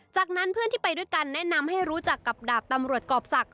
จากนั้นเพื่อนที่ไปด้วยกันแนะนำให้รู้จักกับดาบตำรวจกรอบศักดิ